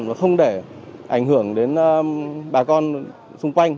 và không để ảnh hưởng đến bà con xung quanh